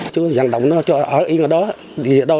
chú dành động nó cho ở yên ở đó